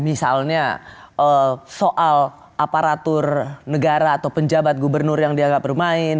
misalnya soal aparatur negara atau penjabat gubernur yang dianggap bermain